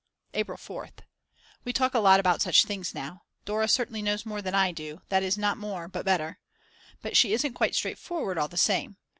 April 4th. We talk a lot about such things now. Dora certainly knows more than I do, that is not more but better. But she isn't quite straightforward all the same.